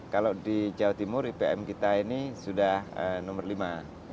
kalau di jawa timur ipm kita ini sudah nomor lima